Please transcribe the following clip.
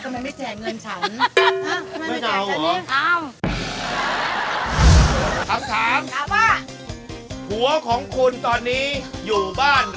เดี๋ยวช่วงหน้านะฮะ